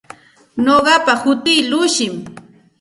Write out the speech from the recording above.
Nuqapa hutii Llushim.